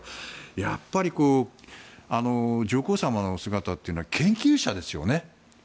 やっぱり、上皇さまの姿は研究者ですよね。